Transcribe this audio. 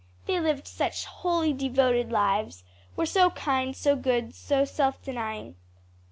"They lived such holy, devoted lives, were so kind, so good, so self denying."